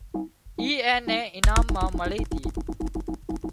اي اين نين انعام مان مۯِي تي